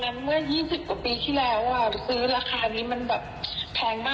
รอวังเอิ๊ชคนที่เหมาะสมกับเสื้อตัวเนี้ย